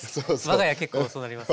我が家結構そうなります。